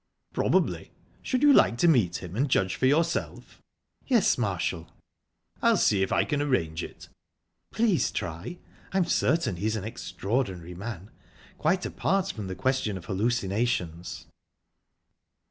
"Probably. Should you like to meet him, and judge for yourself?" "Yes, Marshall!" "I'll see if I can arrange it." "Please try. I'm certain he's an extraordinary man, quite apart from the question of hallucinations."